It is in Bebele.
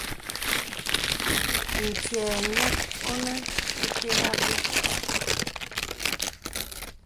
M̀pyɛ̌ nyɛ̄t onə nte avə.